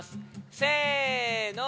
せの！